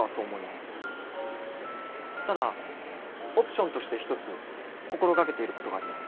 ただオプションとして一つ心がけていることがあります。